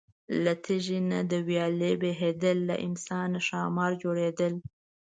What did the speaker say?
له تیږې نه د ویالې بهیدل، له امسا نه ښامار جوړېدل.